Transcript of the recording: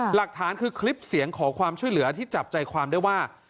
หลักฐานคือคลิปเสียงขอความช่วยเหลือที่จับใจความได้ว่า